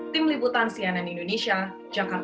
tim liputan cnn indonesia jakarta